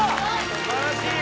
素晴らしい！